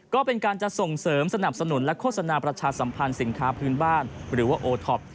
ก็เป็นการจะส่งเสริมสนับสนุนและโฆษณาประชาสัมพันธ์สินค้าพื้นบ้านหรือว่าโอท็อป